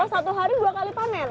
satu hari dua kali panen